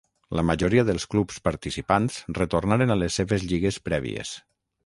La majoria dels clubs participants retornaren a les seves lligues prèvies.